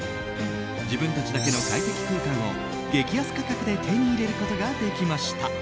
自分たちだけの快適空間を激安価格で手に入れることができました。